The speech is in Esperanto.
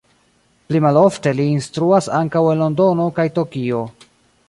Pli malofte li instruas ankaŭ en Londono kaj Tokio.